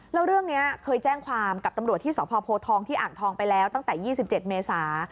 แล้วเรื่องนี้เคยแจ้งความกับตำรวจที่สพโพทองที่อ่างทองไปแล้วตั้งแต่๒๗เมษา